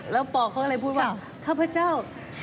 แล้วปอเขาก็เลยพูดว่าข้าพเจ้า